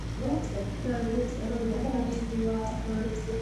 The school is located in Denville but has a Rockaway mailing address.